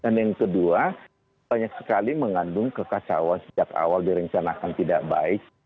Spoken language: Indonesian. dan yang kedua banyak sekali mengandung kekasawa sejak awal direncanakan tidak baik